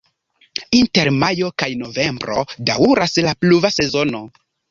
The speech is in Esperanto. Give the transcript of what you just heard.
Inter majo kaj novembro daŭras la pluva sezono.